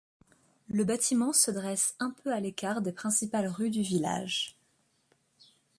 Le bâtiment se dresse un peu à l'écart des principales rues du village.